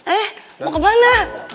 eh mau ke mana